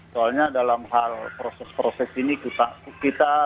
soalnya dalam hal proses proses ini kita belum begitu apa kurang begitu tahu